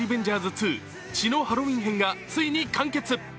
２血のハロウィン編」がついに完結。